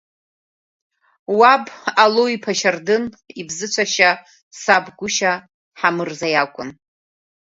Уаб, Алоу-иԥа Шьардын ибзыцәашьа саб гушьа, Ҳамырза иакун.